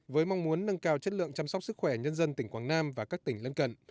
với mong muốn nâng cao chất lượng chăm sóc sức khỏe nhân dân tỉnh quảng nam và các tỉnh lân cận